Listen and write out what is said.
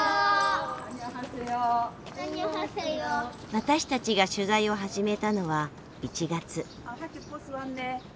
私たちが取材を始めたのは１月。